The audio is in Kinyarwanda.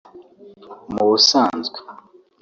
Mu busanzwe